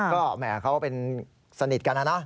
ก็แหมเขาเป็นสนิทกันนะนะ